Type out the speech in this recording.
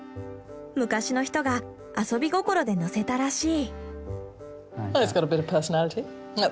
昔の人が遊び心でのせたらしい。